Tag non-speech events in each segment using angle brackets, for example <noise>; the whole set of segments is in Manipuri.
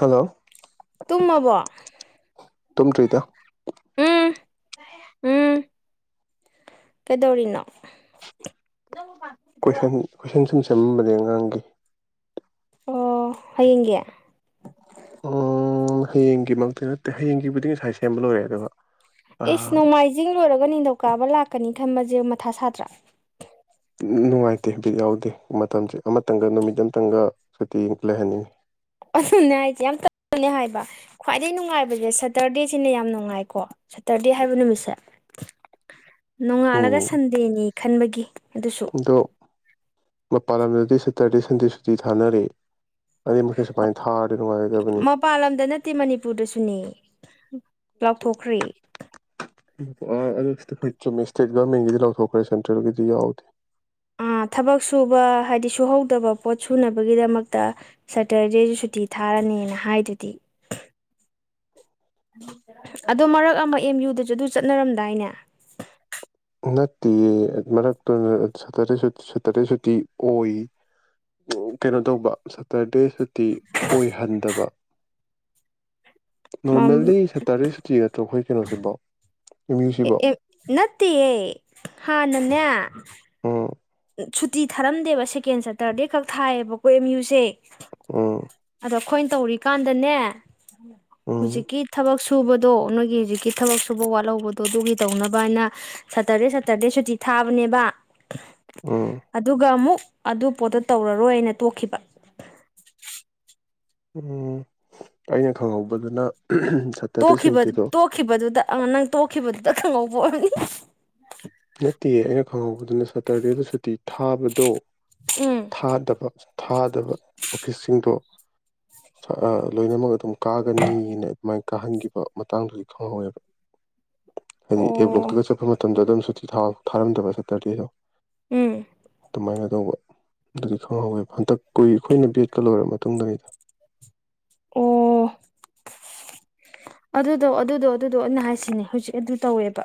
ꯍꯜꯂꯣ ꯇꯨꯝꯃꯕꯣ꯫ ꯇꯨꯝꯗꯔꯤꯗ꯫ ꯎꯝ ꯎꯝ ꯀꯩꯗꯧꯔꯤꯅꯣ ꯀꯣꯏꯁꯟ ꯀꯣꯏꯁꯟ ꯁꯨꯝ ꯁꯦꯝꯃꯝꯕꯅꯦ ꯑꯉꯥꯡꯒꯤ ꯑꯣ ꯍꯌꯦꯡꯒꯤ ꯑꯝꯝ ꯍꯌꯦꯡꯒꯤꯃꯛꯇꯤ ꯅꯠꯇꯦ ꯍꯌꯦꯡꯒꯤꯕꯨꯗꯤ ꯉꯁꯥꯏ ꯁꯦꯝꯕ ꯂꯣꯏꯔꯦ ꯑꯅꯝꯕ꯫ ꯏꯁ ꯅꯣꯡꯃꯥꯏꯖꯤꯡ ꯂꯣꯏꯔꯒ ꯅꯤꯡꯊꯧꯀꯥꯕ ꯂꯥꯛꯀꯅꯤ ꯊꯟꯝꯕꯁꯦ ꯃꯊꯥ ꯁꯥꯇ꯭ꯔꯥ ꯅꯨꯡꯉꯥꯏꯇꯦ ꯍꯥꯏꯐꯠ ꯌꯥꯎꯗꯦ ꯃꯇꯝꯁꯦ ꯑꯃꯇꯪꯒ ꯅꯨꯃꯤꯠ ꯑꯃꯇꯪꯒ ꯁꯇꯤ ꯂꯩꯍꯟꯅꯤꯡꯉꯤ ꯑꯗꯨꯅꯦ ꯍꯥꯏꯁꯦ ꯌꯥꯝ ꯇꯅꯦ ꯍꯥꯏꯕ ꯈ꯭ꯋꯥꯏꯗꯩ ꯅꯨꯡꯉꯥꯏꯕꯁꯦ ꯁꯇꯔꯗꯦꯁꯤꯅ ꯌꯥꯝ ꯅꯨꯡꯉꯥꯏꯀꯣ ꯁꯇꯔꯗꯦ ꯍꯥꯏꯕ ꯅꯨꯃꯤꯠꯁꯦ <inaudible> ꯎꯝ ꯅꯣꯡꯉꯥꯜꯂꯒ ꯁꯟꯗꯦꯅꯤ ꯈꯟꯕꯒꯤ ꯑꯗꯨ ꯑꯗꯣ ꯃꯄꯥꯟ ꯂꯝꯗꯗꯤ ꯁꯦꯇꯔꯗꯦ ꯁꯟꯗꯦ ꯁꯨꯇꯤ ꯊꯥꯅꯔ ꯑꯗꯩ ꯃꯈ ꯁꯨꯃꯥꯏꯅ ꯊꯥꯔꯗꯤ ꯅꯨꯡꯉꯥꯏꯒꯗꯕꯅꯤ ꯃꯄꯥꯟ ꯂꯝꯗ ꯅꯠꯇꯦ ꯃꯅꯤꯄꯨꯔꯗꯁꯨꯅꯤ ꯂꯥꯎꯊꯣꯛꯈ꯭ꯔꯤ꯫ ꯑꯗꯨ ꯑꯩꯈꯣꯏ ꯆꯨꯝꯃꯦ ꯏꯁꯇꯦꯠ ꯒꯔꯃꯦꯟꯒꯤꯗꯤ ꯂꯧꯊꯣꯛꯈ꯭ꯔꯦ ꯁꯦꯟꯇ꯭ꯔꯦꯜꯒꯤꯗꯤ ꯌꯥꯎꯗꯦ ꯑꯥ ꯊꯕꯛ ꯁꯨꯕ ꯍꯥꯏꯗꯤ ꯁꯨꯍꯧꯗꯕ ꯄꯣꯠ ꯁꯨꯅꯕꯒꯤꯗꯃꯛꯇ꯫ ꯁꯇꯔꯗꯦꯁꯨ ꯁꯨꯇꯤ ꯊꯥꯔꯅꯤꯅ ꯍꯥꯏꯗꯨꯗꯤ ꯑꯗꯣ ꯃꯔꯛ ꯑꯃ ꯑꯦꯝ ꯌꯨꯗꯁꯨ ꯑꯗꯨ ꯆꯠꯅꯔꯝꯗꯥꯏꯅꯦ꯫ ꯅꯠꯇꯤꯌꯦ ꯃꯔꯛꯇꯨꯇ ꯁꯇꯔ ꯁꯇꯔꯗꯦ ꯁꯨꯇꯤ ꯑꯣꯏ꯫ ꯀꯩꯅꯣ ꯇꯧꯕ ꯁꯇꯔꯗꯦ ꯁꯇꯤ ꯑꯣꯏꯍꯟꯗꯕ꯫ ꯃꯝ ꯅꯣꯔꯃꯦꯜꯂꯤ ꯁꯦꯇꯔꯗꯦ ꯁꯨꯇꯤ ꯅꯠꯇ꯭ꯔꯣ ꯑꯩꯈꯣꯏ ꯀꯩꯅꯣꯁꯤꯕꯣ꯫ ꯑꯦꯝ ꯑꯦ ꯌꯨꯁꯤꯕꯣ ꯑꯝ ꯅꯠꯇꯤꯌꯦ ꯍꯥꯟꯅꯅꯦ꯫ ꯎꯝ ꯁꯨꯇꯤ ꯊꯥꯔꯝꯗꯦꯕ ꯁꯦꯀꯦꯟ ꯁꯦꯇꯔꯗꯦ ꯈꯛ ꯊꯥꯏꯑꯕꯀꯣ ꯑꯦꯝ ꯌꯨꯁꯦ ꯑꯝ꯫ ꯑꯗ ꯑꯩꯈꯣꯏꯅ ꯇꯧꯔꯤꯀꯥꯟꯗꯅꯦ ꯎꯝ ꯍꯧꯖꯤꯛꯀꯤ ꯊꯕꯛ ꯁꯨ꯫ ꯁꯨꯕꯗꯣ ꯅꯣꯏꯒꯤ ꯍꯧꯖꯤꯛꯀꯤ ꯊꯕꯛ ꯁꯨꯕ ꯋꯥꯠꯍꯧꯕꯗꯣ ꯑꯗꯨꯒꯤ ꯇꯧꯅꯕꯅ ꯁꯇꯔꯗꯦ ꯁꯇꯔꯗꯦ ꯁꯨꯇꯤ ꯊꯥꯕꯅꯦꯕ ꯎꯝ ꯑꯗꯨꯒ ꯑꯃꯨꯛ ꯑꯗꯨ ꯄꯣꯠꯇ ꯇꯧꯔꯔꯣꯏꯅ ꯇꯣꯛꯈꯤꯕ ꯎꯝ ꯑꯩꯅ ꯈꯪꯍꯧꯕꯗꯅ ꯇꯣꯛꯈꯤꯕꯗꯨꯗ ꯅꯪ ꯇꯣꯛꯈꯤꯕꯗꯨꯗ ꯈꯪꯍꯧꯕ ꯑꯣꯏꯔꯅꯤ ꯅꯠꯇꯤꯌꯦ ꯑꯩꯅ ꯈꯪꯍꯧꯕꯗꯨꯅ ꯁꯇꯔꯗꯦꯗ ꯁꯨꯇꯤ ꯊꯥꯕꯗꯣ ꯎꯝ ꯊꯥꯗꯕ ꯊꯥꯗꯕ ꯑꯣꯐꯤꯁꯁꯤꯡꯗꯣ ꯑꯥ ꯂꯣꯏꯅꯃꯛ ꯑꯗꯨꯝ ꯀꯥꯒꯅꯤꯅ ꯑꯗꯨꯃꯥꯏꯅ ꯀꯥꯍꯟꯈꯤꯕ ꯃꯇꯥꯡꯗꯨꯗꯤ ꯈꯪꯍꯧꯋꯦꯕ ꯍꯥꯏꯗꯤ ꯑꯦ ꯑꯣ ꯕꯣꯛꯇꯒ ꯆꯠꯄ ꯃꯇꯝꯗ ꯑꯗꯨꯝ ꯁꯨꯇꯤ ꯊꯥꯔꯝꯗꯕ ꯁꯇꯔꯗꯦꯗ ꯎꯝ ꯑꯗꯨꯃꯥꯏꯅ ꯇꯧꯕ ꯑꯗꯨꯗꯤ ꯈꯪꯍꯧꯋꯦꯕ ꯍꯟꯗꯛ ꯀꯨꯏ ꯑꯩꯈꯣꯏꯅ ꯕꯦꯠꯀ ꯂꯣꯏꯔ ꯃꯇꯨꯡꯗꯅꯤꯗ ꯑꯣ <inaudible> ꯑꯗꯨꯗꯣ ꯑꯗꯨꯗꯣ ꯑꯗꯨꯗꯣ ꯑꯩꯅ ꯍꯥꯏꯁꯤꯅꯦ ꯍꯧꯖꯤꯛ ꯑꯗꯨ ꯇꯧꯋꯦꯕ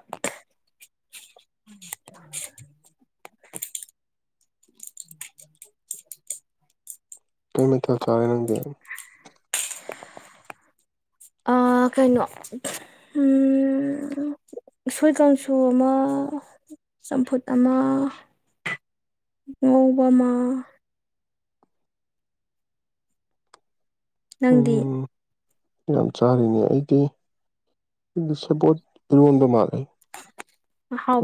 ꯀꯩ ꯃꯊꯦꯜ ꯆꯥꯔꯦ ꯅꯪꯗꯤ ꯑꯥ ꯀꯩꯅꯣ ꯎꯁꯣꯏ ꯀꯥꯡꯁꯨ ꯑꯃ ꯆꯝꯐꯨꯠ ꯑꯃ ꯉꯧꯕ ꯑꯃ ꯅꯪꯗꯤ ꯎꯝ ꯌꯥꯝ ꯆꯥꯔꯤꯅꯤ ꯑꯩꯗꯤꯗꯤ ꯁꯦꯄꯣꯠ ꯏꯔꯣꯟꯕ ꯃꯥꯜꯂꯦ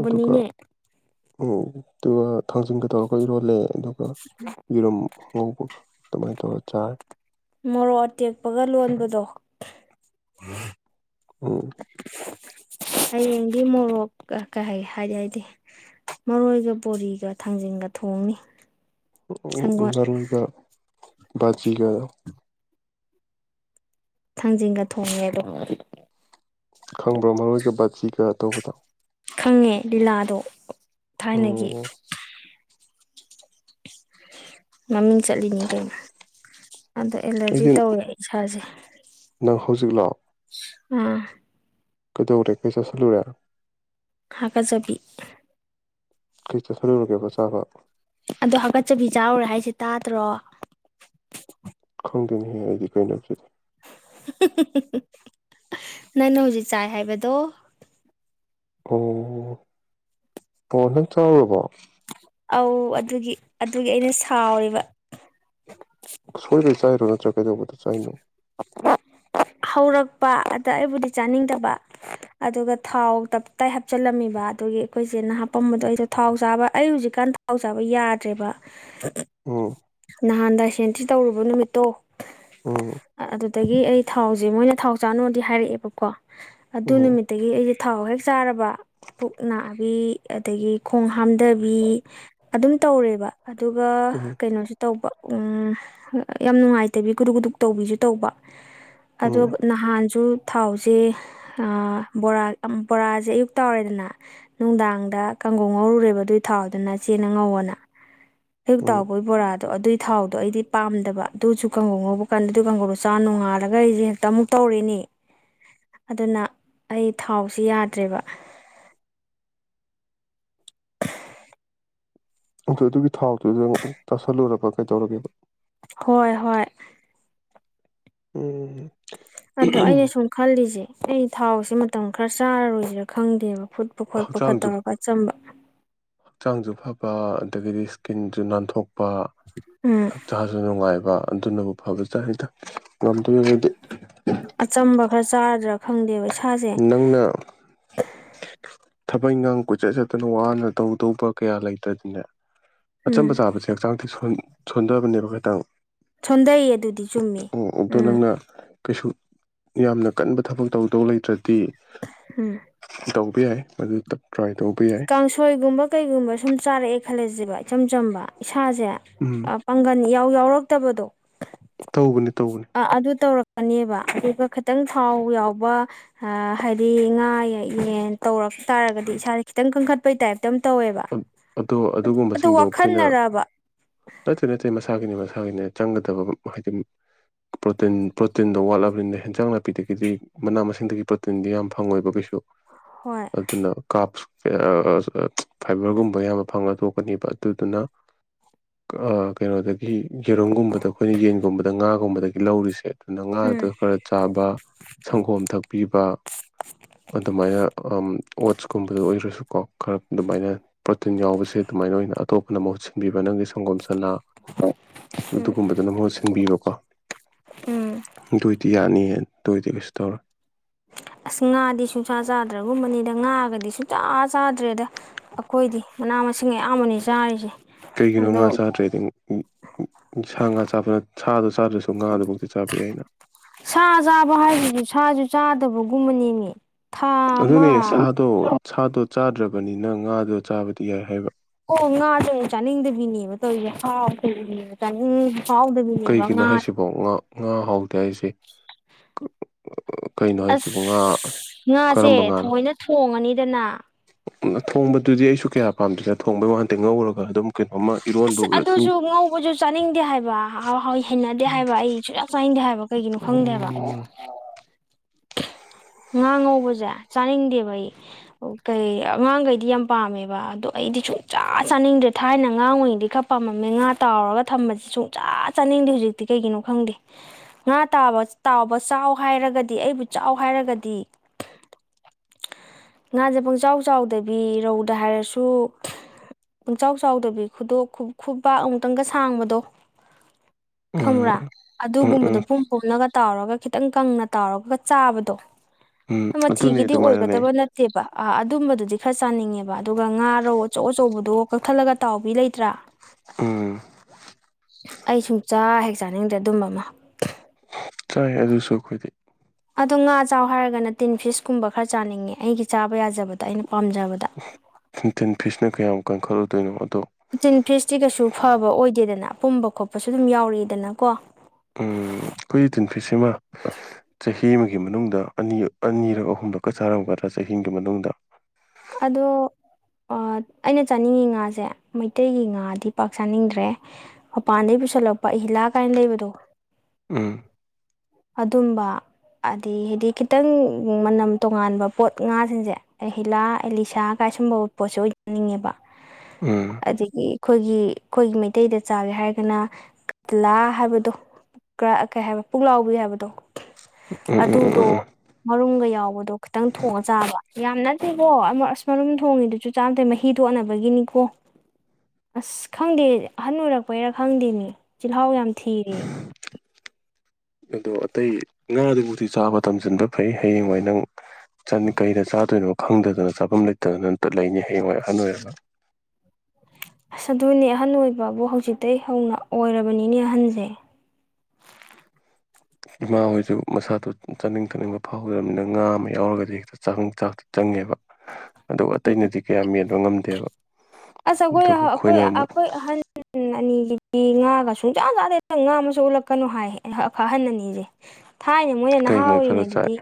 ꯑꯗꯨꯒ ꯎꯝ ꯑꯗꯨꯒ ꯊꯥꯡꯖꯤꯟꯒ ꯗꯣ ꯏꯔꯣꯜꯂꯦ ꯑꯗꯨꯒ ꯌꯦꯔꯨꯝ ꯉꯧꯕꯒ ꯑꯗꯨꯃꯥꯏꯅ ꯇꯧꯔꯥ ꯆꯥꯔꯦ ꯃꯣꯔꯣꯛ ꯑꯇꯦꯛꯄꯒ ꯂꯣꯟꯕꯗꯣ ꯎꯝ ꯍꯌꯦꯡꯗꯤ ꯃꯣꯔꯣꯛ ꯀꯩ ꯍꯥꯏ ꯍꯥꯏꯗꯤ ꯍꯥꯏꯗꯦ ꯃꯔꯣꯏꯒ ꯕꯣꯔꯤꯒ ꯊꯥꯡꯖꯤꯟꯒ ꯊꯣꯡꯅꯤ ꯑꯝ ꯁꯪꯒꯣꯜ ꯃꯔꯣꯏꯒ ꯕꯖꯤꯒ ꯊꯥꯡꯖꯤꯡꯒ ꯊꯣꯡꯉꯦ ꯊꯣꯡꯉꯗꯤ ꯈꯪꯕ꯭ꯔꯣ ꯃꯔꯣꯏꯒ ꯕꯥꯒꯤꯒ ꯇꯧꯕꯗ ꯈꯪꯉꯦ ꯂꯤꯂꯥꯗꯣ ꯊꯥꯏꯅꯒꯤ ꯎꯝ ꯃꯃꯤꯡ ꯆꯠꯂꯤꯅꯤ ꯀꯩꯅꯣ ꯑꯗꯣ ꯑꯦꯂꯔꯖꯤ ꯑꯩꯗꯤ ꯇꯧꯋꯦ ꯏꯁꯥꯁꯦ ꯅꯪ ꯍꯧꯖꯤꯛꯂꯣ ꯎꯝ ꯀꯩꯗꯧꯔꯦ ꯀꯩ ꯆꯥꯁꯤꯟꯂꯨꯔꯦ ꯍꯥꯒꯖꯕꯤ ꯀꯩ ꯆꯥꯁꯤꯜꯂꯨꯔꯒꯦꯕ ꯆꯥꯕ ꯑꯗꯣ ꯍꯥꯒꯠꯆꯕꯤ ꯆꯥꯎꯔꯦ ꯍꯥꯏꯁꯦ ꯇꯥꯗ꯭ꯔꯣ ꯈꯪꯗꯦꯅꯦꯍꯦ ꯑꯩꯗꯤ ꯀꯩꯅꯣ ꯑꯗꯨꯗꯤ ꯅꯪꯅ ꯍꯧꯖꯤꯛ ꯆꯥꯏ ꯍꯥꯏꯕꯗꯣ ꯑꯣ ꯅꯩ ꯆꯥꯔꯨꯕꯕꯣ ꯑꯧ ꯑꯗꯨꯒꯤ ꯑꯗꯨꯒꯤ ꯑꯩꯅ ꯁꯥꯎꯔꯤꯕ ꯁꯣꯏꯗ ꯆꯥꯏꯔꯣ ꯅꯠꯇ꯭ꯔ ꯀꯩꯗꯧꯕꯗ ꯆꯥꯏꯅꯣ ꯍꯧꯔꯛꯄ ꯑꯗ ꯑꯩꯕꯨꯗꯤ ꯆꯥꯅꯤꯡꯗꯕ ꯑꯗꯨꯒ ꯊꯥꯎ ꯇꯞꯇꯥꯏ ꯍꯥꯞꯆꯜꯂꯝꯃꯤꯕ ꯑꯗꯨꯒꯤ ꯑꯩꯈꯣꯏꯆꯦꯅ ꯍꯥꯞꯄꯝꯕꯗꯣ ꯑꯩꯗꯣ ꯊꯥꯎ ꯆꯥꯕ ꯑꯩ ꯍꯧꯖꯤꯛꯀꯥꯟ ꯄꯥꯎ ꯆꯥꯕ ꯌꯥꯗ꯭ꯔꯦꯕ ꯎꯝ ꯅꯍꯥꯟ ꯗꯥꯏꯁꯦꯟꯇ꯭ꯔꯤ ꯇꯧꯔꯨꯕ ꯅꯨꯃꯤꯠꯇꯣ ꯎꯝ ꯑꯗꯨꯗꯒꯤ ꯑꯩ ꯊꯥꯎꯁꯦ ꯃꯣꯏꯅ ꯊꯥꯎ ꯆꯥꯅꯨꯗꯤ ꯍꯥꯏꯔꯛꯑꯦꯕꯀꯣ ꯑꯗꯨ ꯎꯝ ꯅꯨꯃꯤꯠꯇꯒꯤ ꯑꯩꯁꯦ ꯊꯥꯎ ꯍꯦꯛ ꯆꯥꯔꯕ ꯄꯨꯛ ꯅꯥꯕꯤ ꯑꯗꯒꯤ ꯈꯣꯡ ꯍꯥꯝꯗꯕꯤ ꯑꯗꯨꯝ ꯇꯧꯔꯦꯕ ꯑꯗꯨꯒ ꯎꯝ ꯀꯩꯅꯣꯁꯨ ꯇꯧꯕ ꯑꯝ ꯌꯥꯝ ꯅꯨꯡꯉꯥꯏꯇꯕꯤ ꯒꯨꯗꯨꯨꯞ ꯒꯨꯗꯨꯨꯞ꯫ ꯇꯧꯕꯤꯁꯨ ꯇꯧꯕ ꯑꯗꯣ ꯎꯝ ꯅꯍꯥꯟꯁꯨ ꯊꯥꯎꯁꯦ꯫ ꯕꯣꯔꯥ ꯕꯣꯔꯥꯁꯦ ꯑꯌꯨꯛ ꯇꯥꯎꯔꯦꯗꯅ ꯅꯨꯡꯗꯥꯡꯗ ꯀꯥꯡꯉꯧ ꯉꯧꯔꯨꯔꯦꯕ ꯑꯗꯨꯏ ꯊꯥꯎꯗꯨꯅ ꯆꯦꯅ ꯉꯧꯋꯣꯅ꯫ ꯑꯌꯨꯛ ꯎꯝ ꯇꯥꯎꯕꯒꯤ ꯕꯣꯔꯥꯗꯣ ꯑꯗꯨꯒꯤ ꯊꯥꯎꯗꯣ ꯑꯩꯗꯤ ꯄꯥꯝꯗꯕ ꯑꯗꯨꯁꯨ ꯀꯪꯉꯧ ꯉꯧꯕ ꯀꯪꯍꯧꯗꯨ ꯆꯔꯒꯥ ꯅꯣꯡꯉꯜꯂꯥꯒ ꯑꯩꯁꯦ ꯍꯦꯛꯇ ꯑꯃꯨꯛ ꯇꯧꯔꯦꯅꯦ ꯑꯗꯨꯅ ꯑꯩ ꯊꯥꯎꯁꯤ ꯌꯥꯗ꯭ꯔꯦꯕ꯫ ꯑꯗ ꯑꯗꯨꯒꯤ ꯊꯥꯎꯗꯨꯗ ꯆꯥꯁꯜꯂꯨꯔꯕ ꯀꯩꯗꯧꯔꯒꯦꯕꯥ ꯍꯣꯏ ꯍꯣꯏ ꯎꯝ ꯑꯗꯣ ꯑꯩꯅ ꯁꯨꯝ ꯈꯜꯂꯤꯁꯦ ꯑꯩ ꯊꯥꯎꯁꯦ ꯃꯇꯝ ꯈꯔ ꯆꯥꯔꯔꯣꯏꯁꯤꯔꯥ ꯈꯪꯗꯦꯕ ꯐꯨꯠ ꯐꯨꯠꯄ ꯈꯣꯠꯄ ꯈꯔꯥ ꯍꯛꯆꯥꯡꯁꯨ ꯇꯧꯔꯒ ꯑꯆꯝꯕ ꯍꯛꯆꯥꯡꯁꯨ ꯐꯕ ꯑꯗꯒꯤꯗꯤ ꯏꯁ꯭ꯀꯤꯟꯁꯨ ꯅꯥꯟꯊꯣꯛꯄ꯫ ꯎꯝ꯫ ꯏꯁꯥꯁꯨ ꯅꯨꯡꯉꯥꯏꯕ ꯑꯗꯨꯅꯕꯨ ꯐꯕꯖꯥꯅꯤꯗ ꯉꯝꯗꯣꯏꯗꯤ꯫ ꯑꯆꯝꯕ ꯈꯔ ꯆꯥꯔꯗꯔ꯫ ꯈꯪꯗꯦꯕ ꯏꯁꯥꯁꯦ ꯅꯪꯅ ꯊꯕꯛ ꯏꯪꯈꯥꯡ ꯀꯣꯏꯆꯠ ꯆꯠꯇꯅ ꯋꯥꯅ ꯇꯧꯗꯧꯕ ꯀꯌꯥ ꯂꯩꯇ꯭ꯔꯗꯤꯅꯦ ꯑꯆꯝꯕ ꯎꯝ ꯆꯥꯕꯁꯦ ꯍꯛꯆꯥꯡꯗꯤ ꯁꯣꯟꯊꯕꯅꯦꯕ ꯈꯤꯇꯪ ꯁꯣꯟꯗꯩ ꯑꯗꯨꯗꯤ ꯆꯨꯝꯃꯤ ꯑꯗꯣ ꯎꯝ ꯅꯪꯅ ꯀꯩꯁꯨ ꯌꯥꯝꯅ ꯀꯟꯕ ꯊꯕꯛ ꯇꯧꯗꯧ ꯂꯩꯇ꯭ꯔꯗꯤ ꯎꯝ ꯇꯧꯕ ꯌꯥꯏ ꯃꯗꯨ ꯇ꯭ꯔꯥꯏ ꯇꯧꯕ ꯌꯥꯏ꯫ ꯀꯥꯡꯁꯣꯏꯒꯨꯝꯕ ꯀꯩꯒꯨꯝꯕ ꯁꯨꯝ ꯆꯥꯔꯛꯑꯦ ꯈꯜꯂꯁꯦꯕ ꯏꯆꯝ ꯆꯝꯕ ꯏꯁꯥꯁꯦ ꯎꯝ ꯄꯥꯡꯒꯟ ꯏꯌꯥꯎ ꯌꯥꯎꯔꯛꯇꯕꯗꯣ꯫ ꯇꯧꯕꯅꯤ ꯇꯧꯕꯅꯤ ꯑꯗꯨ ꯇꯧꯔꯛꯀꯅꯦꯕ ꯑꯗꯨꯒ ꯈꯤꯇꯪ ꯊꯥꯎ ꯌꯥꯎꯕ ꯍꯥꯏꯗꯤ ꯉꯥ ꯌꯦꯟ ꯇꯧꯔꯛ ꯇꯥꯔꯒꯗꯤ ꯏꯁꯥꯥꯁꯦ ꯈꯤꯇꯪ ꯀꯟꯈꯠꯄꯩ ꯇꯥꯏꯞ ꯇꯧꯋꯦꯕ ꯑꯗꯣ ꯑꯗꯨ ꯑꯗꯨꯒꯨꯝꯕꯁꯤꯡꯗꯣ ꯑꯩꯈꯣꯏꯅ ꯋꯥꯈꯜꯅꯔꯕ ꯅꯠꯇꯦ ꯅꯠꯇꯦ ꯃꯁꯥꯒꯤꯅꯦ ꯃꯁꯥꯒꯤꯅꯦ ꯆꯪꯒꯗꯕ ꯑꯝ ꯍꯥꯏꯗꯤ꯫ ꯄ꯭ꯔꯣꯇꯤꯟ ꯄ꯭ꯔꯣꯇꯤꯟꯗꯣ ꯋꯥꯠꯂꯕꯅꯤꯅ ꯍꯦꯟꯁꯥꯡ ꯅꯥꯄꯤꯗꯒꯤꯗꯤ ꯃꯅꯥ ꯃꯁꯤꯡꯗꯒꯤ ꯄ꯭ꯔꯣꯇꯤꯟꯗꯤ ꯌꯥꯝ ꯐꯪꯉꯣꯏꯕ ꯀꯩꯁꯨ꯫ ꯍꯣꯏ꯫ ꯑꯗꯨꯅ ꯀꯥꯞꯁ ꯑꯦ ꯑꯥ ꯑꯞꯁ꯫ ꯐꯥꯏꯕꯔꯒꯨꯝꯕ ꯑꯌꯥꯝꯕ ꯐꯪꯉ ꯊꯣꯛꯀꯅꯦꯕ ꯑꯗꯨꯗꯨꯅ ꯀꯩꯅꯣꯗꯒꯤ ꯌꯦꯔꯨꯝꯒꯨꯝꯕꯗ ꯑꯩꯈꯣꯏꯅ ꯌꯦꯟꯒꯨꯝꯕꯗ ꯉꯥꯒꯨꯝꯕꯗꯒꯤ ꯂꯧꯔꯤꯁꯦ ꯑꯗꯨꯅ ꯉꯥꯗꯣ ꯎꯝ ꯈꯔ꯫ ꯆꯥꯕ ꯁꯪꯒꯣꯝ ꯊꯛꯄꯤꯕ꯫ ꯑꯗꯨꯃꯥꯏꯅ ꯑꯣꯠꯁꯀꯨꯝꯕꯗꯨ ꯑꯣꯏꯔꯁꯨꯀꯣ ꯈꯔ ꯑꯗꯨꯃꯥꯏꯅ ꯄ꯭ꯔꯣꯇꯤꯟ ꯌꯥꯎꯕꯁꯦ ꯑꯗꯨꯃꯥꯏꯅ ꯑꯣꯏꯅ ꯑꯇꯣꯞꯄꯅ ꯃꯍꯨꯠ ꯁꯤꯟꯕꯤꯕ ꯅꯪꯒꯤ ꯁꯪꯒꯣꯝ ꯁꯅꯥ ꯎꯝ ꯑꯗꯨꯒꯨꯝꯕꯗꯨꯅ ꯃꯍꯨꯠ ꯁꯤꯟꯕꯤꯕꯀꯣ ꯎꯝ ꯑꯗꯨꯏꯗꯤ ꯌꯥꯅꯤꯍꯦ ꯑꯗꯨꯏꯗꯤ ꯀꯩꯁꯨ ꯇꯧꯔꯣꯢ ꯑꯁ ꯉꯥꯗꯤ ꯁꯨꯡꯁꯥ ꯆꯥꯗ꯭ꯔꯒꯨꯝꯕꯅꯤꯗ ꯉꯥꯒꯗꯤ ꯁꯨꯡꯆꯥ ꯆꯥꯗ꯭ꯔꯦꯗ꯫ ꯑꯩꯈꯣꯏꯗꯤ ꯃꯅꯥ ꯃꯁꯤꯡ ꯑꯌꯥꯝꯕꯅꯤ ꯆꯥꯔꯤꯁꯦ ꯀꯩꯒꯤꯅꯣ ꯑꯗꯣ ꯉꯥ ꯆꯥꯗ꯭ꯔꯦꯗꯤ ꯁꯥ ꯉꯥ ꯆꯥꯕ ꯁꯥꯗꯣ ꯆꯥꯗ꯭ꯔꯁꯨ ꯉꯥꯗꯨꯐꯥꯎꯇꯤ ꯆꯥꯕ ꯌꯥꯏꯅ ꯁꯥ ꯆꯥꯕ ꯍꯥꯏꯁꯤꯁꯨ ꯁꯥꯁꯨ ꯆꯥꯗꯕꯒꯨꯝꯕꯅꯦꯃꯦ ꯑꯗꯨꯅꯦ ꯁꯥꯗꯣ ꯁꯥꯗꯣ ꯆꯥꯗ꯭ꯔꯕꯅꯤꯅ ꯉꯥꯗꯣ ꯆꯥꯕꯗꯤ ꯌꯥꯏ ꯍꯥꯏꯕ ꯑꯣ ꯉꯥ ꯗꯣ ꯆꯥꯅꯤꯡꯗꯕꯤꯅꯦꯕ ꯇꯧꯔꯤꯁꯦ ꯆꯥꯅꯤꯡꯕ ꯐꯥꯎꯗꯕꯤ ꯀꯩꯒꯤꯅꯣ ꯍꯥꯏꯁꯤꯕꯣ ꯉꯥ ꯉꯥ ꯍꯥꯎꯇꯦ ꯍꯥꯏꯁꯦ ꯀꯩꯅꯣ ꯑꯁ ꯍꯥꯏꯁꯤꯕꯨ ꯉꯥ ꯉꯥꯁꯦ ꯀꯔꯝꯕ ꯉꯥꯅꯣ꯫ ꯊꯑꯣꯏꯅ ꯊꯣꯡꯉꯅꯤꯗꯅ ꯊꯣꯡꯕꯗꯨꯗꯤ ꯑꯩꯁꯨ ꯀꯌꯥ ꯄꯥꯝꯗꯦꯗ ꯊꯣꯡꯕꯩ ꯋꯥꯟ ꯇꯦ ꯉꯧꯔꯒ ꯑꯗꯨꯝ ꯀꯩꯅꯣꯝꯃ ꯏꯔꯣꯟꯕ ꯑꯁ ꯑꯣꯏꯔꯁꯨ ꯑꯗꯨꯁꯨ ꯉꯧꯕꯁꯨ ꯆꯥꯅꯤꯡꯗꯦ ꯍꯥꯏꯕ ꯍꯥꯎ ꯍꯥꯎ ꯍꯩꯅꯗꯦ ꯍꯥꯏꯕ ꯑꯩꯁꯨ ꯌꯥꯝ ꯆꯥꯏꯡꯗꯦ ꯍꯥꯏꯕ ꯀꯩꯒꯤꯅꯣ ꯈꯪꯗꯦ ꯍꯥꯏꯕ <unintelligible> ꯎꯝ ꯉꯥ ꯉꯧꯕꯖꯦ ꯆꯥꯅꯤꯡꯗꯦꯕ ꯑꯩ ꯑꯣ ꯀꯩ ꯑꯉꯥꯡꯒꯩꯗꯤ ꯌꯥꯝ ꯄꯥꯝꯃꯦꯕ ꯑꯗꯣ ꯑꯩꯗꯤ ꯁꯨꯡꯆꯥꯥ ꯆꯥꯅꯤꯡꯗ꯭ꯔꯦ ꯊꯥꯏꯅ ꯑꯉꯥꯡ ꯑꯣꯏꯔꯤꯉꯩꯗꯤ ꯈꯔ ꯄꯥꯝꯃꯝꯃꯦ ꯉꯥ ꯇꯥꯎꯔꯒ ꯊꯝꯕꯁꯤ ꯁꯨꯡꯆꯥ ꯆꯥꯅꯤꯡꯗꯦ ꯍꯧꯖꯤꯛꯇꯤ ꯀꯩꯒꯤꯅꯣ ꯈꯪꯗꯦ ꯉꯥ ꯇꯥꯕ ꯇꯥꯎꯕ ꯆꯥꯎ ꯍꯥꯏꯔꯒꯗꯤ ꯑꯩꯕꯨ ꯆꯥꯎ ꯍꯥꯏꯔꯒꯗꯤ ꯉꯥꯖꯦ ꯄꯪꯆꯥꯎ ꯆꯥꯎꯗꯕꯤ ꯔꯧꯗ ꯍꯥꯏꯔꯁꯨ ꯄꯨꯆꯥꯎ ꯆꯥꯎꯗꯕꯤ ꯈꯨꯗꯣ ꯈꯨꯄꯥꯛ ꯑꯃꯨꯛꯇꯪꯒ ꯁꯥꯡꯕꯗꯣ ꯎꯝ ꯈꯡꯕꯔꯥ ꯎꯝ ꯑꯗꯨꯒꯨꯝꯕꯗꯣ ꯎꯝ ꯄꯨꯝ ꯄꯨꯝꯅꯒ ꯇꯥꯎꯔꯒ ꯈꯤꯇꯪ ꯀꯪꯅ ꯇꯥꯎꯔꯒ ꯆꯥꯕꯗꯣ ꯎꯝ ꯑꯗꯨꯅꯦ ꯃꯆꯤꯒꯤꯗꯤ ꯑꯗꯨꯃꯥꯏꯅꯅꯦ ꯑꯣꯏꯒꯗꯕ ꯅꯠꯇꯦ ꯇꯦꯕ ꯑꯥ ꯑꯗꯨꯝꯕꯗꯨꯗꯤ ꯈꯔ ꯆꯥꯅꯤꯡꯉꯦꯕ ꯑꯗꯨꯒ ꯉꯥ ꯔꯧ ꯑꯆꯧ ꯑꯆꯧꯕꯗꯣ ꯀꯛꯊꯠꯂꯒ ꯇꯥꯎꯕꯤ ꯂꯩꯇ꯭ꯔꯥ ꯎꯝ ꯑꯩ ꯁꯨꯡꯆꯥ ꯍꯦꯛ ꯆꯥꯅꯤꯡꯗꯦ ꯑꯗꯨꯝꯕ ꯑꯃ ꯆꯥꯏ ꯑꯗꯨꯁꯨ ꯑꯩꯈꯣꯏꯗꯤ ꯑꯗꯣ ꯉꯥ ꯆꯥꯎ ꯍꯥꯏꯔꯒꯅ ꯇꯤꯟ ꯐꯤꯁꯀꯨꯝꯕ ꯈꯔ ꯆꯥꯅꯤꯡꯉꯦ ꯑꯩꯒꯤ ꯆꯥꯕ ꯌꯥꯖꯕꯗ ꯑꯩꯅ ꯄꯥꯝꯖꯕꯗꯣ ꯇꯤꯟ ꯐꯤꯁꯅ ꯀꯌꯥꯝ ꯀꯟꯈꯠꯂꯨꯗꯣꯏꯅꯣ ꯑꯗꯣ ꯇꯤꯟ ꯐꯁꯇꯤ ꯀꯩꯁꯨ ꯐꯕ ꯑꯣꯏꯗꯦꯗꯅ ꯑꯥꯄꯨꯝꯕ ꯈꯣꯠꯄꯁꯨ ꯑꯗꯨꯝ ꯌꯥꯎꯔꯛ ꯏꯗꯅ ꯀꯣ ꯎꯝ ꯈꯣꯏ ꯇꯤꯟ ꯐꯤꯁꯦꯃꯥ ꯆꯍꯤ ꯑꯃꯒꯤ ꯃꯅꯨꯡꯗ ꯑꯅꯤ ꯑꯅꯤꯔꯛ ꯑꯍꯨꯝꯂꯛꯀꯥ ꯆꯥꯔꯝꯒꯗ꯭ꯔꯥ ꯆꯍꯤ ꯑꯃꯥꯒꯤ ꯃꯅꯨꯡꯗ ꯑꯗꯣ ꯑꯩꯅ ꯆꯥꯅꯤꯡꯉꯤ ꯉꯥꯖꯦ ꯃꯩꯇꯩꯒꯤ ꯉꯥꯗꯤ ꯄꯥꯛ ꯆꯥꯅꯤꯡꯗ꯭ꯔꯦ ꯃꯄꯥꯟꯗꯩ ꯄꯨꯁꯜꯂꯛꯄ ꯑꯍꯤꯂꯥ ꯀꯥꯏꯅ ꯂꯩꯕꯗꯣ ꯎꯝ ꯑꯗꯨꯝꯕ ꯑꯗꯤ ꯍꯥꯏꯗꯤ ꯈꯤꯇꯪ ꯃꯅꯝ ꯇꯣꯉꯥꯟꯕ ꯄꯣꯠ ꯉꯥꯖꯤꯡꯁꯦ ꯑꯍꯤꯂꯥ ꯑꯦꯂꯤꯁꯥ ꯀꯥꯏ ꯁꯨꯝꯕ ꯄꯣꯠꯁꯦ ꯑꯣꯏ ꯆꯅꯤꯡꯉꯦꯕ ꯎꯝ ꯑꯗꯒꯤ ꯑꯩꯈꯣꯏꯒꯤ ꯑꯩꯈꯣꯏꯒꯤ ꯃꯩꯇꯩꯗ ꯆꯥꯒꯦ ꯍꯥꯏꯔꯒꯅ ꯀꯠꯂꯥ ꯍꯥꯏꯕꯗꯣ ꯀꯩ ꯍꯥꯏꯕ ꯄꯨꯛꯂꯥꯎꯕꯤ ꯍꯥꯏꯕꯗꯣ ꯎꯝ ꯎꯝ ꯎꯝ ꯑꯗꯨꯗꯣ ꯎꯝ ꯎꯝ ꯃꯔꯨꯝꯒ ꯌꯥꯎꯕꯗꯣ ꯈꯤꯇꯪ ꯊꯣꯡꯉꯥ ꯆꯥꯕ ꯌꯥꯝ ꯅꯠꯇꯦꯀꯣ ꯑꯁ ꯃꯔꯨꯝ ꯊꯣꯡꯉꯤꯗꯨꯁꯨ ꯆꯥꯝꯗꯩ ꯃꯍꯤ ꯇꯣꯠꯅꯥꯕꯒꯤꯅꯤꯀꯣ <inaudible> ꯑꯁ ꯈꯪꯗꯦ ꯑꯍꯟ ꯑꯣꯏꯔꯛꯄꯩꯔꯥ ꯈꯪꯗꯦꯅꯦ ꯆꯤꯜꯍꯥꯎ ꯌꯥꯝ ꯊꯤꯔꯦ ꯑꯗꯣ ꯑꯇꯩ ꯉꯥꯗꯨꯕꯨꯗꯤ ꯆꯥꯕ ꯇꯝꯁꯤꯟꯕ ꯐꯩ ꯍꯌꯦꯡ ꯋꯥꯏ ꯅꯪ ꯀꯩꯗ ꯆꯥꯗꯣꯏꯅꯣ ꯈꯪꯗꯗꯅ ꯆꯥꯐꯝ ꯂꯩꯇꯗꯅ ꯂꯩꯅꯤ ꯍꯌꯦꯡ ꯋꯥꯏ ꯑꯍꯟ ꯑꯣꯏꯔꯒ ꯑꯁ ꯑꯗꯨꯅꯦ ꯑꯍꯟ ꯑꯣꯏꯕꯕꯨ ꯍꯧꯖꯤꯛꯇꯩ ꯍꯧꯅ ꯑꯣꯏꯔꯕꯅꯤꯅꯦ ꯑꯍꯟꯖꯦ ꯏꯃꯥꯍꯣꯏꯖꯨ ꯃꯁꯥꯗꯣ ꯆꯥꯅꯤꯡ ꯊꯥꯅꯤꯡꯕ ꯐꯥꯎꯗ꯭ꯔꯕꯅꯤꯅ ꯉꯥ ꯑꯃ ꯌꯥꯎꯔꯒꯗꯤ ꯍꯦꯛꯇ ꯆꯥꯛꯍꯣꯡ ꯆꯥꯛ ꯆꯪꯉꯦꯕ ꯑꯗꯨ ꯑꯇꯩꯅꯗꯤ ꯀꯌꯥ ꯃꯦꯟꯕ ꯉꯝꯗꯦꯕ ꯑꯁ ꯑꯗꯨꯒ ꯑꯩꯈꯣꯏꯅ ꯑꯩꯈꯣꯏ ꯑꯩꯈꯣꯏ ꯑꯃꯨꯛ ꯑꯩꯈꯣꯏ ꯑꯍꯟ ꯑꯅꯤꯒꯤꯗꯤ ꯉꯥꯒ ꯁꯨꯡꯆꯥ ꯆꯥꯗꯦ ꯍꯦꯛꯇ ꯉꯥ ꯃꯁꯛ ꯎꯠꯂꯛꯀꯅꯨꯍꯥꯏ ꯐꯥꯍꯟ ꯑꯅꯤꯖꯦ ꯊꯥꯏꯅ ꯃꯣꯏꯅ ꯅꯍꯥ ꯀꯩꯅ ꯈꯔ ꯆꯥꯏ ꯑꯣꯏꯔꯤꯉꯩꯗꯗꯤ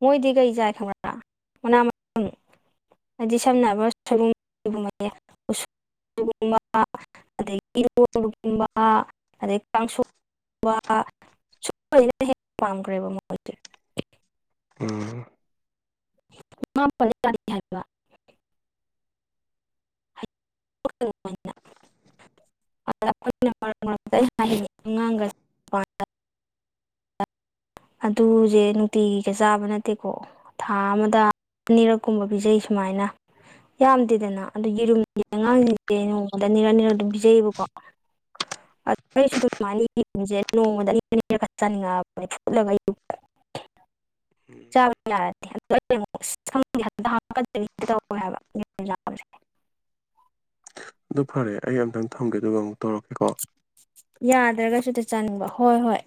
ꯃꯣꯏꯗꯤ ꯀꯩ ꯆꯥꯏ ꯈꯪꯕ꯭ꯔꯥ ꯃꯅꯥ ꯃꯁꯤꯡ ꯍꯥꯏꯗꯤ ꯁꯝꯅ ꯍꯥꯏꯕ ꯁꯣꯏꯒꯨꯝ ꯁꯣꯏꯕꯨꯝ ꯎꯁꯣ ꯑꯗꯨꯒꯨꯝꯕ ꯑꯗꯗꯒꯤ ꯏꯔꯣꯒꯨꯝꯕ ꯑꯗꯩ ꯀꯥꯡꯁꯣꯏ <unintelligible> ꯄꯥꯝꯒ꯭ꯔꯦꯕ ꯃꯣꯏ ꯎꯝ <unintelligible> <unintelligible> <unintelligible> ꯃꯔꯩꯛ ꯃꯔꯛꯇ ꯑꯉꯥꯡꯒ <unintelligible> ꯑꯗꯨꯖꯦ ꯅꯨꯡꯇꯤꯒꯤꯒ ꯆꯥꯕ ꯅꯠꯇꯦꯀꯣ ꯊꯥ ꯑꯃꯗ ꯑꯅꯤꯔꯛ ꯀꯨꯝꯕ ꯄꯤꯖꯩ ꯁꯨꯃꯥꯏꯅ ꯌꯥꯝꯗꯦꯗꯅ ꯑꯗꯨ ꯌꯦꯔꯨꯝꯁꯦ ꯑꯉꯥꯡꯁꯤꯡꯁꯦ ꯅꯣꯡꯃꯗ ꯑꯅꯤꯔꯛ ꯅꯤꯔꯛ ꯑꯗꯨꯝ ꯄꯤꯖꯩꯌꯦꯕꯀꯣ <unintelligible> <unintelligible> ꯐꯨꯠꯂꯒ <unintelligible> <inaudible> ꯆꯥꯕ <unintelligible> <unintelligible> ꯑꯗꯨ ꯐꯔꯦ ꯑꯩ ꯑꯝꯇꯪ ꯊꯝꯒꯦ ꯑꯗꯨꯒ ꯑꯃꯨꯛ ꯇꯧꯔꯛꯀꯦꯀꯣ ꯌꯥꯗ꯭ꯔꯒꯁꯨ ꯍꯦꯛꯇ ꯆꯥꯅꯤꯡꯕ ꯍꯣꯏ ꯍꯣꯏ